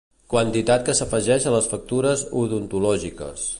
Quantitat que s'afegeix a les factures odontològiques.